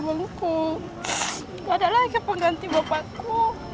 bapak lupa gak ada lagi pengganti bapakku